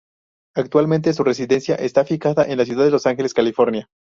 Actualmente su residencia está fijada en la ciudad de Los Ángeles, California.